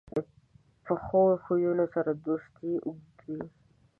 پخو خویو سره دوستي اوږده وي